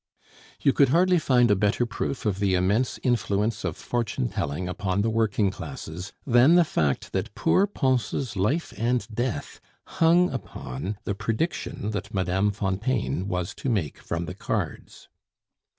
You could hardly find a better proof of the immense influence of fortune telling upon the working classes than the fact that poor Pons' life and death hung upon the prediction that Mme. Fontaine was to make from the cards.